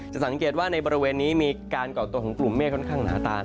สังเกตว่าในบริเวณนี้มีการก่อตัวของกลุ่มเมฆค่อนข้างหนาตา